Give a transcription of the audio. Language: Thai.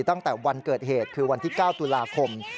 ตั้งแต่วันเกิดเหตุคือวันที่๙ตุลาคม